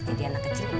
jadi anak kecil